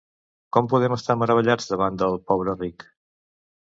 Com podem estar meravellats davant del pobre Rick?